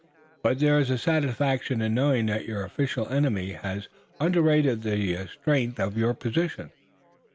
But there is a satisfaction in knowing that your official enemy has underrated the strength of your position.